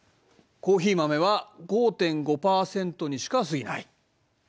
コーヒー豆は５．５％にしかすぎない。